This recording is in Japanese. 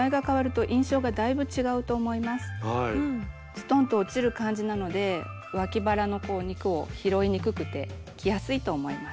ストンと落ちる感じなのでわき腹の肉を拾いにくくて着やすいと思います。